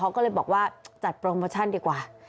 เขาก็เลยบอกว่าจัดโปรโมชั่นดีกว่า